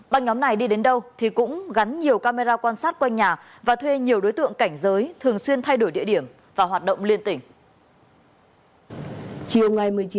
băng nhóm này đi đến đâu thì cũng gắn nhiều camera quan sát quanh nhà và thuê nhiều đối tượng cảnh giới thường xuyên thay đổi địa điểm và hoạt động liên tỉnh